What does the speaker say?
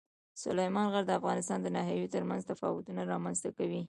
سلیمان غر د افغانستان د ناحیو ترمنځ تفاوتونه رامنځ ته کوي.